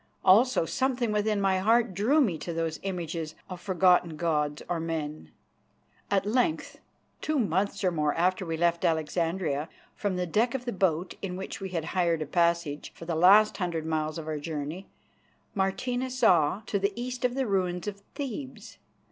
Also something within my heart drew me to those images of forgotten gods or men. At length, two months or more after we left Alexandria, from the deck of the boat in which we had hired a passage for the last hundred miles of our journey, Martina saw to the east the ruins of Thebes.